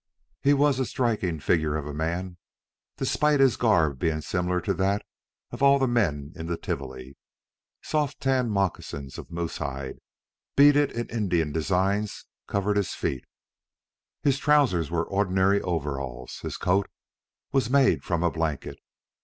He was a striking figure of a man, despite his garb being similar to that of all the men in the Tivoli. Soft tanned moccasins of moose hide, beaded in Indian designs, covered his feet. His trousers were ordinary overalls, his coat was made from a blanket.